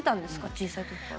小さい時から。